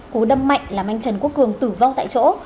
cú đâm mạnh làm anh trần quốc cường tử vong tại chỗ